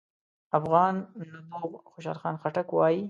افغان نبوغ خوشحال خان خټک وايي: